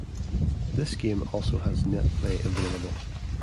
This game also has Net Play available.